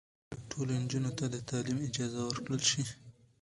باید ټولو نجونو ته د تعلیم اجازه ورکړل شي.